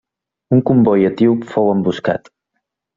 Un comboi etíop fou emboscat.